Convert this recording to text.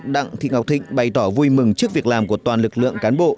đặng thị ngọc thịnh bày tỏ vui mừng trước việc làm của toàn lực lượng cán bộ